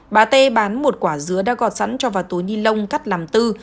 bà t bán một quả dứa đã gọt sẵn cho vào tối nhi lông cắt làm tư